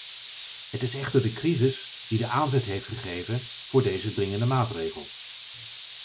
Het is echter de crisis die de aanzet heeft gegeven voor deze dringende maatregel.